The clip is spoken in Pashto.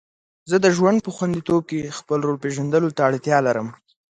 زه د ژوند په خوندیتوب کې د خپل رول پیژندلو ته اړتیا لرم.